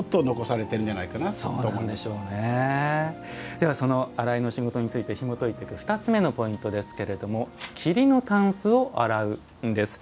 ではその「洗いの仕事」についてひもといていく２つ目のポイントですけれども「桐のたんすを洗う」です。